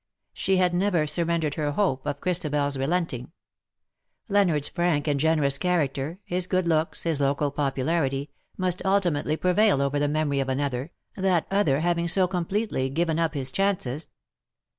She had never surrendered her hope of ChristabeFs relenting. Leonard's frank and generous character — his good looks — his local popularity — must ultimately prevail over the memory of another — that other having so completely given up his chances.